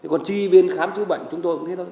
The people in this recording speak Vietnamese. còn chi bên khám chứa bệnh chúng tôi cũng thế thôi